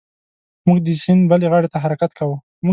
موږ د سیند بلې غاړې ته حرکت کاوه.